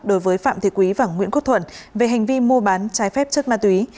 đối với phạm thế quý và nguyễn quốc thuận về hành vi mua bán trái phép chất ma túy